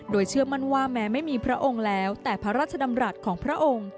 โดยเชื่อมั่นว่าแม้ไม่มีพระองค์แล้วแต่พระราชดำรัฐของพระองค์